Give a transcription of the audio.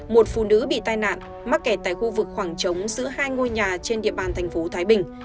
một phụ nữ bị tai nạn mắc kẻ tại khu vực khoảng trống giữa hai ngôi nhà trên địa bàn tp thái bình